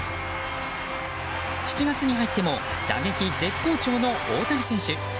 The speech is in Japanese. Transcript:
７月に入っても打撃絶好調の大谷選手。